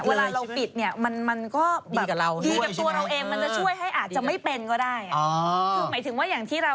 เวลาเราปิดเนี่ยมันก็แบบดีกับตัวเราเองมันจะช่วยให้อาจจะไม่เป็นก็ได้คือหมายถึงว่าอย่างที่เรา